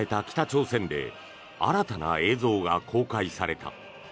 北朝鮮で新たな映像が公開された。